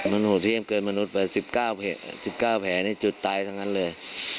มันโหดเทียมเกินมนุษย์ไปสิบเก้าแผลสิบเก้าแผลนี่จุดตายทั้งนั้นเลย